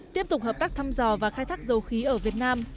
tiếp tục hợp tác thăm dò và khai thác dầu khí ở việt nam